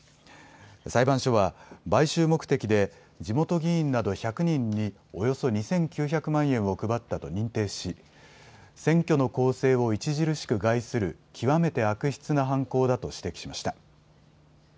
裁判所は買収目的で地元議員など１００人におよそ２９００万円を配ったと認定し選挙の公正を著しく害する極めて悪質な犯行だと指摘しました。